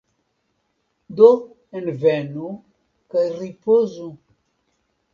Do envenu, kaj ripozu